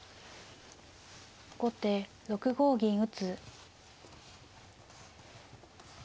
後手６五銀打。